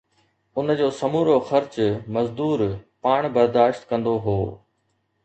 ان جو سمورو خرچ مزدور پاڻ برداشت ڪندو هو